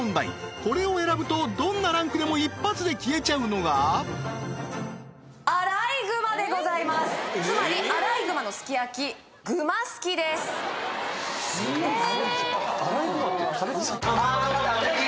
これを選ぶとどんなランクでも一発で消えちゃうのがつまりアライグマのすき焼きええー？